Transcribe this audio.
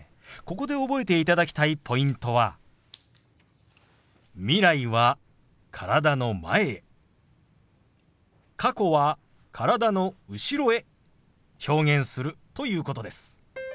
ここで覚えていただきたいポイントは未来は体の前へ過去は体の後ろへ表現するということです。